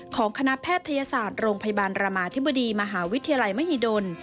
คณะแพทยศาสตร์โรงพยาบาลรามาธิบดีมหาวิทยาลัยมหิดล